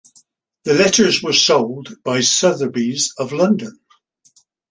The letters were sold by Sotheby's of London.